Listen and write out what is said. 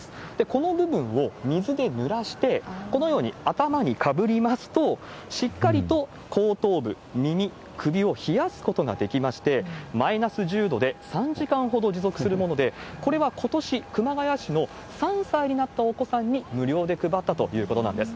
この部分を水でぬらして、このように頭にかぶりますと、しっかりと後頭部、耳、首を冷やすことができまして、マイナス１０度で３時間ほど持続するもので、これはことし、熊谷市の３歳になったお子さんに無料で配ったということなんです。